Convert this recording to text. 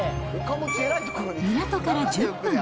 港から１０分。